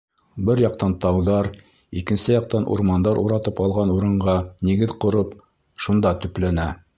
Бер яҡтан тауҙар, икенсе яҡтан урмандар уратып алған урынға нигеҙ ҡороп, шунда төпләнә.